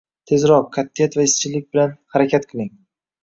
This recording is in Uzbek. Tezroq, qat’iyat va izchillik bilan harakat qiling.